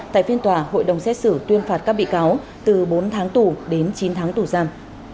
tại phiên tòa hội đồng xét xử tuyên phạt các bị cáo từ bốn tháng tù đến chín tháng tù giam